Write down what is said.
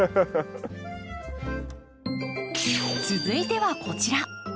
続いてはこちら。